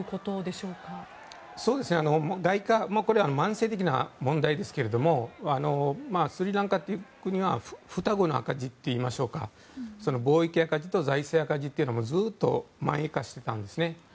これは慢性的な問題ですがスリランカという国は双子の赤字といいましょうか貿易赤字と財政赤字というのがずっと慢性化していたんですね。